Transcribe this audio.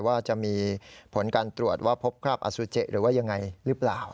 ว่าจะมีผลการตรวจว่าพบคราบอสุจิหรือว่ายังไงหรือเปล่า